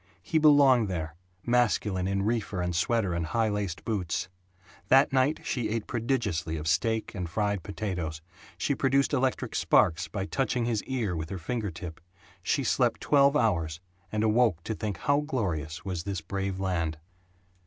He belonged there, masculine in reefer and sweater and high laced boots. That night she ate prodigiously of steak and fried potatoes; she produced electric sparks by touching his ear with her finger tip; she slept twelve hours; and awoke to think how glorious was this brave land.